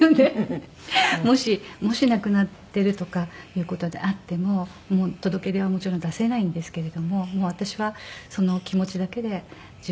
もし亡くなっているとかという事であっても届け出はもちろん出せないんですけれども私はその気持ちだけで十分だったんですね。